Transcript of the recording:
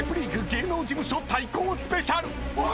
芸能事務所対抗スペシャル。